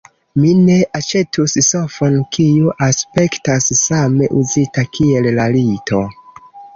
Mi ne aĉetus sofon kiu aspektas same uzita kiel la lito.